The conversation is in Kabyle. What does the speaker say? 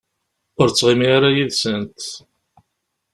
Ur ttɣimi ara yid-sent.